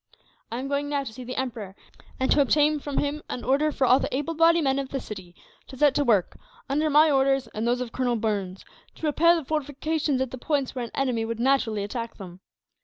"I am going now to see the Emperor, and to obtain from him an order for all the able bodied men of the city to set to work, under my orders and those of Colonel Burns, to repair the fortifications at the points where an enemy would naturally attack them.